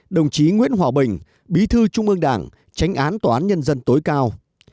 đồng chí nguyễn hòa bình bí thư trung ương đảng tránh án tòa án nhân dân tối cao